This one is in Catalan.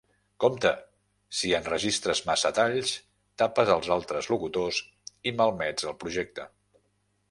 Compte! Si enregistres massa talls, tapes els altres locutors i malmets el projecte.